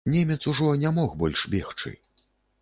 Немец ужо не мог больш бегчы.